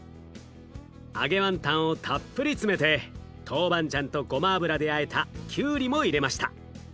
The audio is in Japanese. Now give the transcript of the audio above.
揚げワンタンをたっぷり詰めてトウバンジャンとごま油であえたきゅうりも入れました。